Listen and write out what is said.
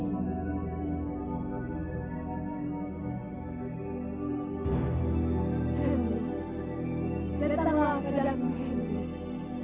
aku sangat percaya pendirinya